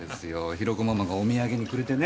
ヒロコママがお土産にくれてね。